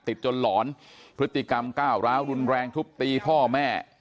จนหลอนพฤติกรรมก้าวร้าวรุนแรงทุบตีพ่อแม่